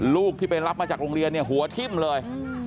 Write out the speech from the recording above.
ลูกที่ไปรับมาจากโรงเรียนเนี่ยหัวทิ่มเลย